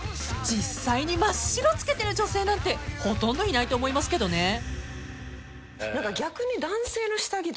［実際に真っ白着けてる女性なんてほとんどいないと思いますけどね］